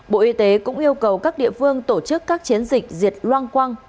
bộ y tế cũng yêu cầu các địa phương tổ chức các chiến dịch diệt loang quang